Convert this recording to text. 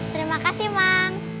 terima kasih mang